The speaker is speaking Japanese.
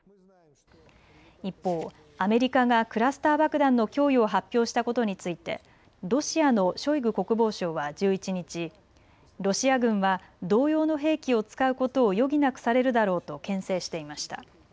一方、アメリカがクラスター爆弾の供与を発表したことについてロシアのショイグ国防相は１１日、ロシア軍は同様の兵器を使うことを余儀なくされるだろうとけん制していました。